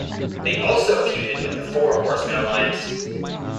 They also feuded with the Four Horsemen alliance.